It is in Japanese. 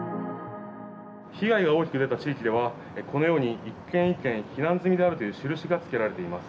被害が大きく出た地域ではこのように１軒１軒避難済みであるという印がつけられています。